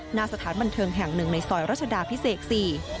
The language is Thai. หน้าสถานบันเทิงแห่งหนึ่งในซอยรัชดาพิเศษสี่